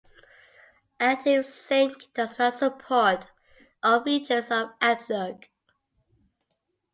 ActiveSync does not support all features of Outlook.